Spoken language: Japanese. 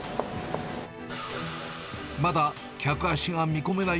まだ客足が見込めない